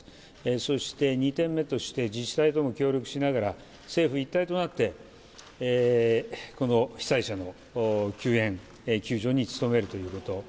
そして、２点目として自治体とも協力しながら政府一体となってこの被災者の救援・救助に努めるということ。